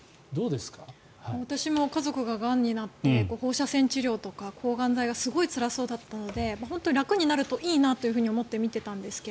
私も家族ががんになって放射線治療とか抗がん剤がすごいつらそうだったので本当に楽になるといいなと思って見ていたんですが